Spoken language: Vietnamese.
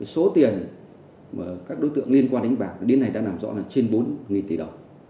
số tiền các đối tượng liên quan đánh bạc đến nay đã nằm rõ là trên bốn tỷ đồng